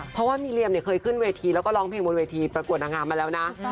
เพราะว่ามีเรียมเนี่ยเคยขึ้นเวทีแล้วก็ร้องเพลงบนเวทีประกวดนางงามมาแล้วนะ